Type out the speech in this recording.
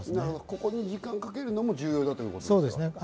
ここに時間をかけるのも重要だということですか？